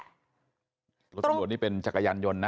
รถตำรวจนี่เป็นจักรยานยนต์นะ